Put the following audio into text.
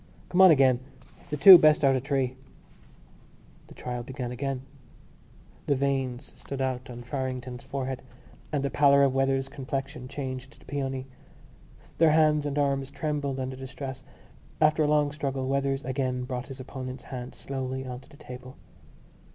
"Come on again. The two best out of three." The trial began again. The veins stood out on Farrington's forehead, and the pallor of Weathers' complexion changed to peony. Their hands and arms trembled under the stress. After a long struggle Weathers again brought his opponent's hand slowly on to the table.